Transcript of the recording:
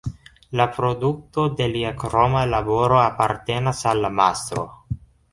La produkto de lia kroma laboro apartenas al la mastro.